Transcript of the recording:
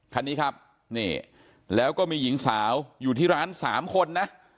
คันนี้ครับนี่แล้วก็มีหญิงสาวอยู่ที่ร้าน๓คนนะ